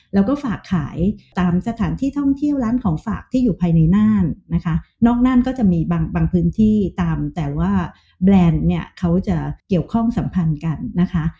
แล้วก็ฝากขายตามสถานที่ท่องเที่ยวร้านของฝากที่อยู่ภายในน่านนะคะนอกน่านก็จะมีบางพื้นที่ตามแต่ว่าแบรนด์เนี่ยเขาจะเกี่ยวข้องสัมพันธ์กันนะคะ